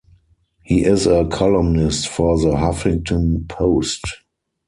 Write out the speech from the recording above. He is a columnist for "The Huffington Post".